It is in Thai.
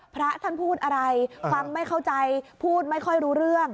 พระท่านพูดอะไรฟังไม่เข้าใจพูดไม่ค่อยรู้เรื่อง